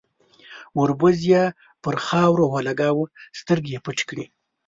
، وربوز يې پر خاورو ولګاوه، سترګې يې پټې کړې.